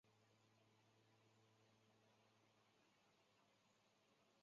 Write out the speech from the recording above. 他曾两度入选明星赛。